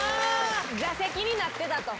座席になってたと。